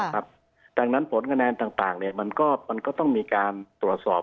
ดังนั้นผลคะแนนต่างมันก็ต้องมีการตรวจสอบ